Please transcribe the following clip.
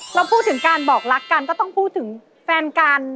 เราพูดถึงการบอกรักกันก็ต้องพูดถึงแฟนกัน